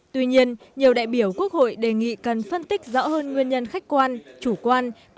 tuy nhiên nhiều đại biểu quốc hội đề nghị cần phân tích rõ hơn nguyên nhân khách quan chủ quan